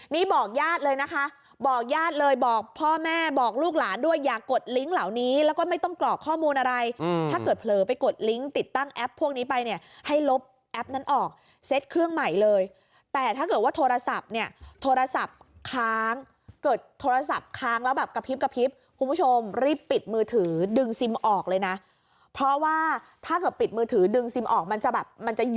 นี่บอกญาติเลยนะคะบอกญาติเลยบอกพ่อแม่บอกลูกหลานด้วยอยากกดลิงค์เหล่านี้แล้วก็ไม่ต้องกรอกข้อมูลอะไรถ้าเกิดเผลอไปกดลิงค์ติดตั้งแอปพวกนี้ไปเนี่ยให้ลบแอปนั้นออกเซ็ทเครื่องใหม่เลยแต่ถ้าเกิดว่าโทรศัพท์เนี่ยโทรศัพท์ค้างเกิดโทรศัพท์ค้างแล้วกระพริบกระพริบคุณผู้ชมรีบปิดมือถือดึงซิมอ